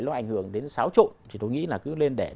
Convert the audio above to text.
nó ảnh hưởng đến xáo trộn thì tôi nghĩ là cứ lên để